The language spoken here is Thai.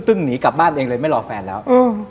หนีกลับบ้านเองเลยไม่รอแฟนแล้ว